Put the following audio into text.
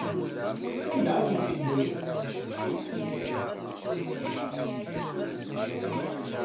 Sanda ay tent-tewwimt?